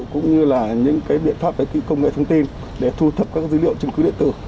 cũng như là những biện pháp công nghệ thông tin để thu thập các dữ liệu chứng cứ điện tử